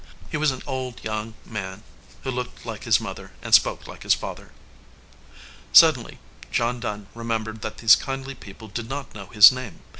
He was an old young man who looked like his mother and spoke like his father. Suddenly John Dunn remembered that these kindly people did not know his name.